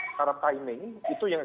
secara timing itu yang